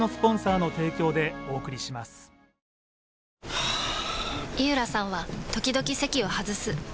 はぁ井浦さんは時々席を外すはぁ。